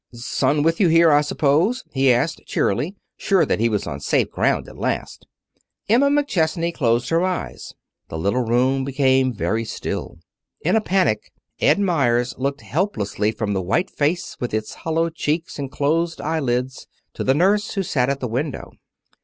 "Son here with you, I suppose," he asked, cheerily, sure that he was on safe ground at last. Emma McChesney closed her eyes. The little room became very still. In a panic Ed Meyers looked helplessly from the white face, with its hollow cheeks and closed eyelids to the nurse who sat at the window.